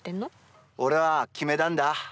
俺は決めたんだ。